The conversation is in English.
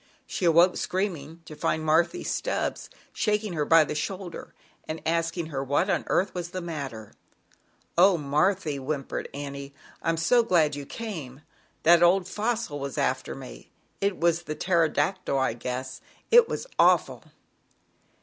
She awoke, screaming, to find M Stubbs shaking her by the shoulder, anc asking what on earth was the m "Oh, Marthy," whimpered Annie, so glad you came, that old Fossil after me, it was the Pterodactyl, I guess, it was awful."